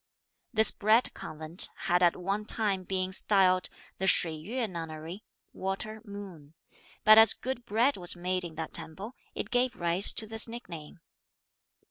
This Bread Convent had at one time been styled the Shui Yueh nunnery (water moon); but as good bread was made in that temple, it gave rise to this nickname.